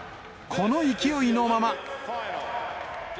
この勢いのまま。